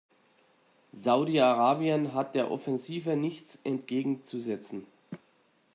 Saudi-Arabien hat der Offensive nichts entgegenzusetzen.